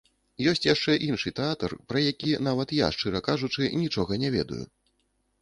Ёсць яшчэ іншы тэатр, пра які нават я, шчыра кажучы, нічога не ведаю.